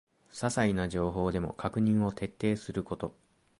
ささいな情報でも確認を徹底すること